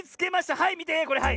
はいみてこれはい。